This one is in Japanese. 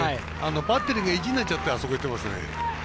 バッテリーが意地になっちゃってあそこへいってますね。